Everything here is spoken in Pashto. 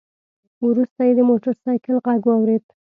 وروسته يې د موټر سايکل غږ واورېد.